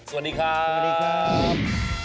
สวัสดีครับ